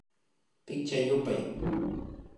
Pichka yupay